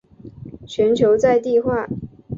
全球在地化。